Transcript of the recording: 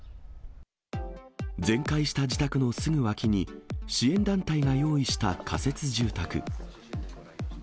全壊した自宅のすぐ脇に、支援団体が用意した仮設住宅。